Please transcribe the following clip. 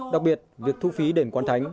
đặc biệt việc thu phí đền quan thánh